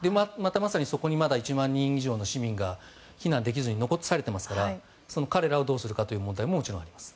まだそこに１万人以上の市民が避難できずに残されていますから彼らをどうするかという問題ももちろんあります。